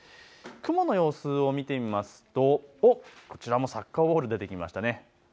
雲の様子を見てみとこちらもサッカーボール、出てきましたね。